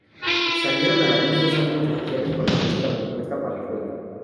Salieron a la luz dos álbumes oficiales con la música compuesta para el juego.